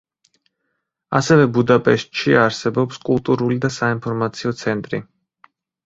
ასევე ბუდაპეშტში არსებობს კულტურული და საინფორმაციო ცენტრი.